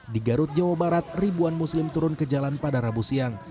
di garut jawa barat ribuan muslim turun ke jalan pada rabu siang